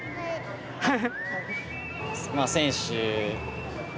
はい。